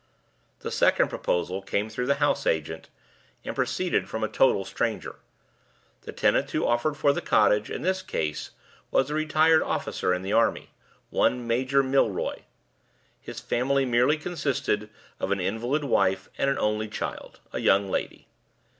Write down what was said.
The second proposal came through the house agent, and proceeded from a total stranger. The tenant who offered for the cottage, in this case, was a retired officer in the army one Major Milroy. His family merely consisted of an invalid wife and an only child a young lady.